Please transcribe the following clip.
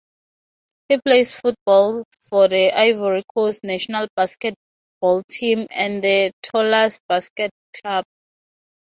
He plays for the Ivory Coast national basketball team and the Toulouse Basket Club.